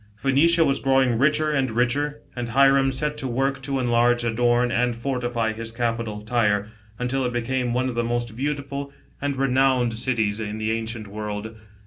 Phoenicia was growing richer and richer, and Hiram set to work to enlarge, adorn, and fortify his capital, Tyre, until it became one o^ the most beautiful and renowned cities, in the ancient world.